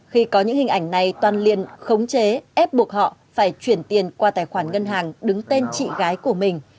khi có những hình ảnh này toàn liên khống chế ép buộc họ phải chuyển tiền qua tài khoản ngân hàng đứng tên chị gái của mình